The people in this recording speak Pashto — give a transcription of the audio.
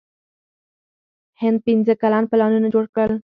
هند پنځه کلن پلانونه جوړ کړل.